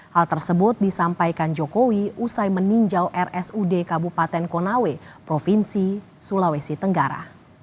hal tersebut disampaikan jokowi usai meninjau rsud kabupaten konawe provinsi sulawesi tenggara